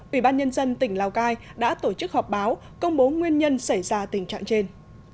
ubnd tỉnh lào cai đã tổ chức họp báo công bố nguyên nhân xảy ra tình trạng trên